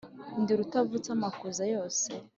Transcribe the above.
Ndi rutavutsa amakuza yose